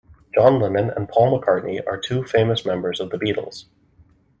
John Lennon and Paul McCartney are two famous members of the Beatles.